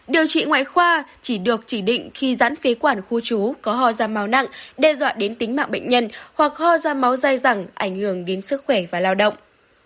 điều trị ngoại khoa chỉ được chỉ định khi giãn phế quản khu chú có ho ra máu nặng đe dọa đến tính mạng bệnh nhân hoặc ho ra máu dai rẳng ảnh hưởng đến sức khỏe và lao động